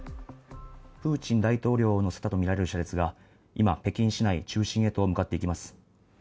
プーチン大統領を載せたとみられる車列が今北京市内中心へと向かっていきます。